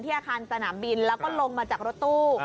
อาคารสนามบินแล้วก็ลงมาจากรถตู้